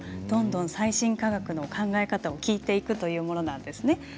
どんどん最新科学の考え方を聞いていくというものなんです。